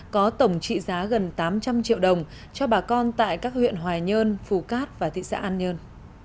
có tổng trị giá gần tám trăm linh triệu đồng cho bà con tại các huyện hoài nhơn phù cát và thị xã an nhơn